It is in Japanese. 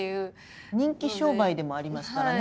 人気商売でもありますからね。